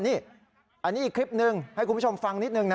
นี่อันนี้อีกคลิปหนึ่งให้คุณผู้ชมฟังนิดนึงนะ